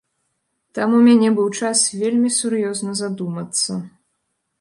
Там у мяне быў час вельмі сур'ёзна задумацца.